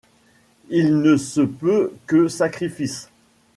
Il ne se peut que sacrifice